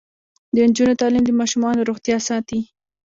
د نجونو تعلیم د ماشومانو روغتیا ساتي.